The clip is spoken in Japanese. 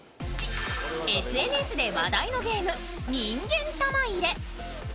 ＳＮＳで話題のゲーム、「人間玉入れ」。